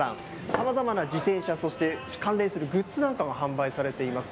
さまざまな自転車、そして、関連するグッズなんかも販売されています。